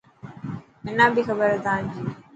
منا بي کبر هي تانجي.